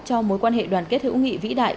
cho mối quan hệ đoàn kết hữu nghị vĩ đại